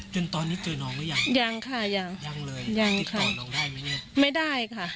จนตอนนี้เจอน้องหรือยังยังค่ะยังยังเลยยังค่ะน้องได้ไหมเนี่ยไม่ได้ค่ะ